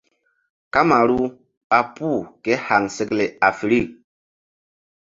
Kamaru ɓa puh ké haŋsekle afirik.